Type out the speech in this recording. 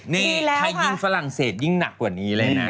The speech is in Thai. นี่ถ้ายิ่งฝรั่งเศสยิ่งหนักกว่านี้เลยนะ